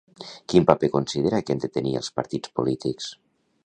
Quin paper considera que han de tenir els partits polítics?